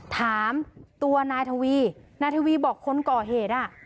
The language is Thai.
ถามตัวนายทวีนายทวีบอกคนก่อเหตุอ่ะ